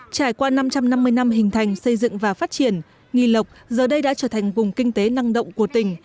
trải qua năm trăm năm mươi năm hình thành xây dựng và phát triển nghi lộc giờ đây đã trở thành vùng kinh tế năng động của tỉnh